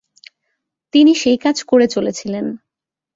তিনি সেই কাজ করে চলেছিলেন।